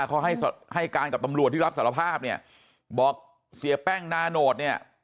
เขาให้การกับตำรวจที่รับสารภาพบอกเสียแป้งนาโนธ